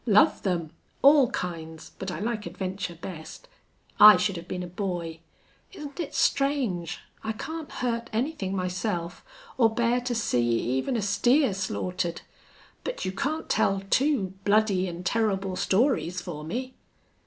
"Love them. All kinds, but I like adventure best. I should have been a boy. Isn't it strange, I can't hurt anything myself or bear to see even a steer slaughtered? But you can't tell too bloody and terrible stories for me.